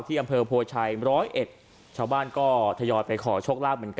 ที่อำเภอโพชัย๑๐๑ชาวบ้านก็ทำงงไปขอชกราบเหมือนกัน